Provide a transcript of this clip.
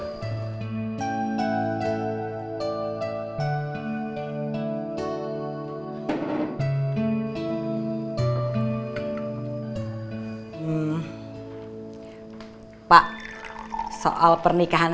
saudara ini balik alternate kak